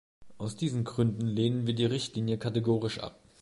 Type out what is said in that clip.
Aus diesen Gründen lehnen wir die Richtlinie kategorisch ab.